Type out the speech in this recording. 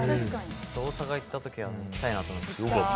大阪行ったときはまた行きたいなと思いました。